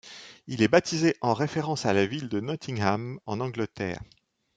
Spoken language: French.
Il est baptisé en référence à la ville de Nottingham en Angleterre.